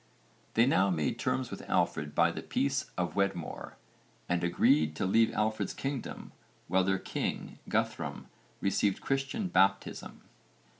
They now made terms with Alfred by the peace of Wedmore, and agreed to leave Alfred's kingdom while their king Guthrum received Christian baptism.